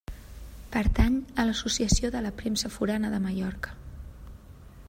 Pertany a l'Associació de la Premsa Forana de Mallorca.